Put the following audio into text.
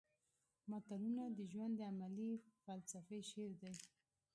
متلونه د ژوند د عملي فلسفې شعر دي